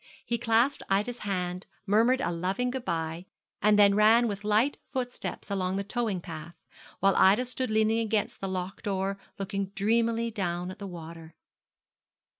He clasped Ida's hand, murmured a loving good bye, and then ran with light footsteps along the towing path, while Ida stood leaning against the lock door looking dreamily down at the water.